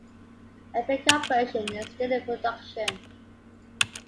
A pick-up version is still in production.